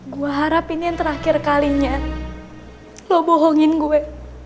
gue harap ini yang terakhir kalinya lo bohongin gue